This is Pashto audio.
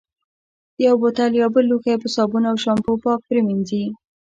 یو بوتل یا بل لوښی په صابون او شامپو پاک پرېمنځي.